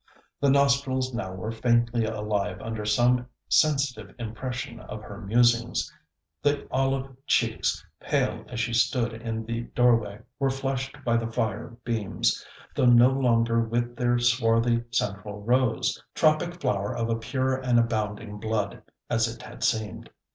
The nostrils now were faintly alive under some sensitive impression of her musings. The olive cheeks, pale as she stood in the doorway, were flushed by the fire beams, though no longer with their swarthy central rose, tropic flower of a pure and abounding blood, as it had seemed.